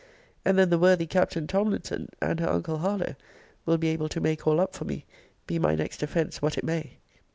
and then the worthy Captain Tomlinson, and her uncle Harlowe, will be able to make all up for me, be my next offence what it may.